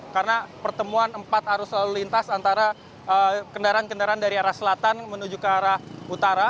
karena pertemuan empat arus lalu lintas antara kendaraan kendaraan dari arah selatan menuju ke arah utara